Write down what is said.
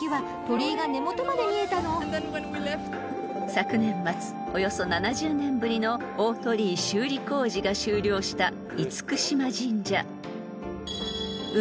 ［昨年末およそ７０年ぶりの大鳥居修理工事が終了した嚴島神社］